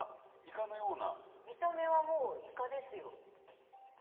見た目はもうイカですよ。